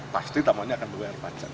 pasti tamannya akan membayar pajak